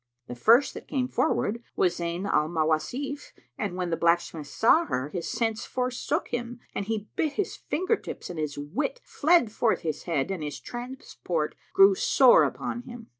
The first that came forward was Zayn al Mawasif, and when the blacksmith saw her, his sense forsook him and he bit his finger tips and his wit fled forth his head and his transport grew sore upon him.